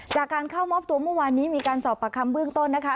จากการเข้ามอบตัวเมื่อวานนี้มีการสอบประคำเบื้องต้นนะคะ